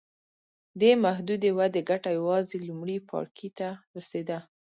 دې محدودې ودې ګټه یوازې لومړي پاړکي ته رسېده.